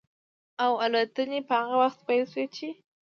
او الوتنې به هغه وخت پيل شي چې